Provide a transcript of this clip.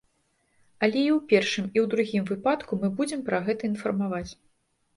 Але і ў першым, і ў другім выпадку мы будзем пра гэта інфармаваць.